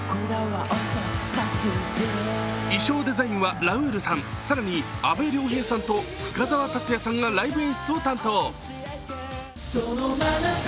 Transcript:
衣装デザインはラウールさん、更に阿部亮平さんと深澤辰哉さんがライブ演出を担当。